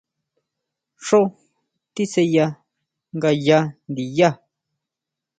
Xjó tisʼeya ngayá ndiyá.